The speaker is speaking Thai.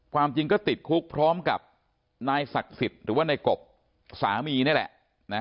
ความจริงก็ติดคุกพร้อมกับนายศักดิ์สิทธิ์หรือว่าในกบสามีนี่แหละ